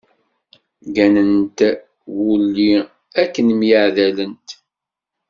Gganent wulli akken myaɛdalent.